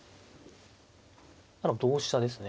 同飛車ですね。